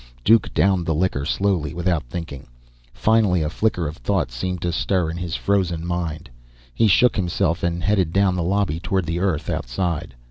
Duke downed the liquor slowly, without thinking. Finally, a flicker of thought seemed to stir in his frozen mind. He shook himself and headed down the lobby toward the Earth outside.